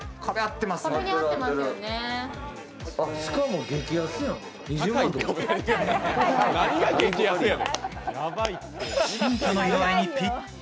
しかも激安やん。